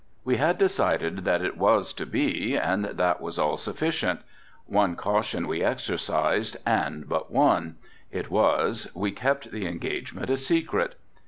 We had decided that it was to be and that was all sufficient. One caution we exercised and but one, it was, we kept the engagement a secret.